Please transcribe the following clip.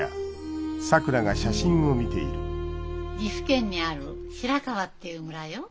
岐阜県にある白川っていう村よ。